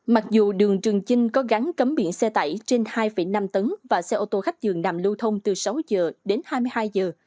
mặc dù đường trường chinh có gắn cấm biển xe tải trên hai năm tấn và xe ô tô khách dường nằm lưu thông từ sáu giờ đến hai mươi hai giờ